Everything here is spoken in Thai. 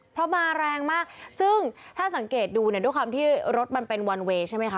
เพราะมาแรงมากซึ่งถ้าสังเกตดูเนี่ยด้วยความที่รถมันเป็นวันเวย์ใช่ไหมคะ